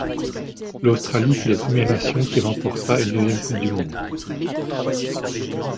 L'Australie fut la première nation qui remporta une deuxième Coupe du Monde.